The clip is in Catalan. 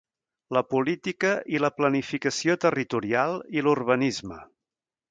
La política i la planificació territorial i l'urbanisme.